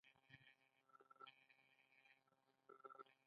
د احمد تندی له اوله سپېره دی.